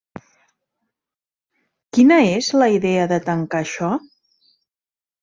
Quina és la idea de tancar això?